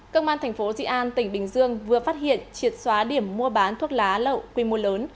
công an thành phố dị an tỉnh bình dương vừa phát hiện triệt xóa điểm mua bán thuốc lá lậu quy mô lớn